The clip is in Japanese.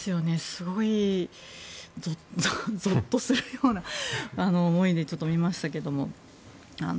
すごいぞっとするような思いで見ましたけども。